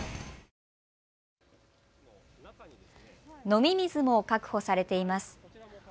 飲み水も確保されています。